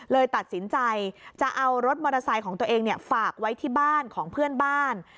เลยตัดสินใจจะเอารถมอเตอร์ไซค์ของตัวเองฝากไว้ที่บ้านของเพื่อนบ้าน